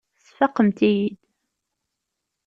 Tesfaqemt-iyi-id.